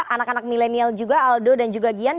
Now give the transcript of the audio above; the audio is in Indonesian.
anak anak milenial juga aldo dan juga gian